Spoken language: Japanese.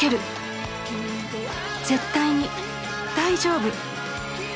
絶対に大丈夫！